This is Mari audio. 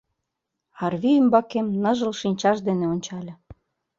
Арви ӱмбакем ныжыл шинчаж дене ончале.